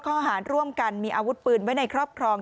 ข้อหารร่วมกันมีอาวุธปืนไว้ในครอบครอง